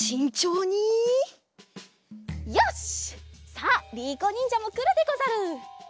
さありいこにんじゃもくるでござる！